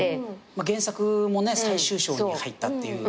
原作も最終章に入ったっていう。